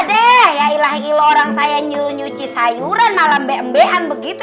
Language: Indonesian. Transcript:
padeh ya ilah ilah orang saya nyuruh nyuci sayuran malam be embehan begitu